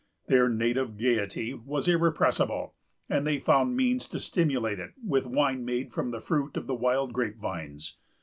Their native gayety was irrepressible, and they found means to stimulate it with wine made from the fruit of the wild grape vines.